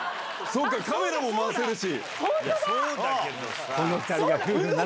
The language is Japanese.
そうか、カメラも回せるし。